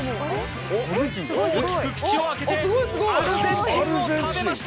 大きく口を開けてアルゼンチンを食べました。